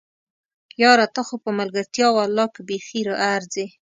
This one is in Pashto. یاره! ته خو په ملګرتيا ولله که بیخي ارځې!